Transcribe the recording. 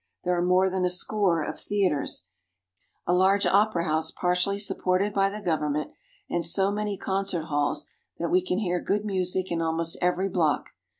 There are more than a score of theaters, a large opera house partially supported by the government, and so many concert halls that we can hear good music in almost every block.